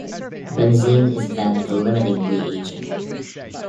Benzene is then the limiting reagent.